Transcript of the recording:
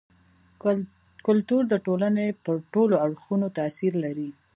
کلتور د ټولني پر ټولو اړخونو تاثير لري.